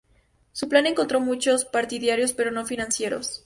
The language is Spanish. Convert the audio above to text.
Su plan encontró muchos partidarios, pero no financieros.